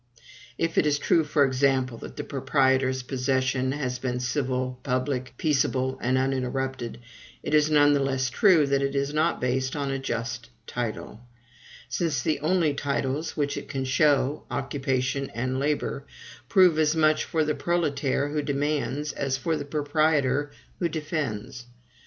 If it is true, for example, that the proprietor's possession has been CIVIL, PUBLIC, PEACEABLE, and UNINTERRUPTED, it is none the less true that it is not based on a just title; since the only titles which it can show occupation and labor prove as much for the proletaire who demands, as for the proprietor who defends.